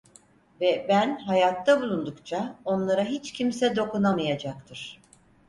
Ve ben hayatta bulundukça onlara hiç kimse dokunamayacaktır.